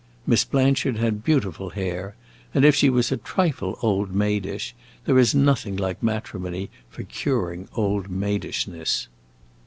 Miss Blanchard had beautiful hair, and if she was a trifle old maidish, there is nothing like matrimony for curing old maidishness.